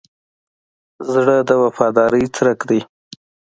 زړه د وفادارۍ څرک دی.